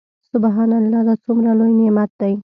سبحان الله دا څومره لوى نعمت دى.